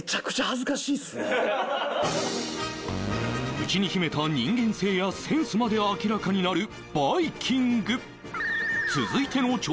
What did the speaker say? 内に秘めた人間性やセンスまで明らかになるバイキング